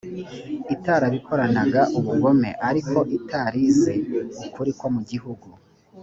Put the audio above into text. itarabikoranaga ubugome ariko itari izi ukuri ko mu gihugu